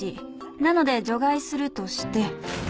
［なので除外するとして］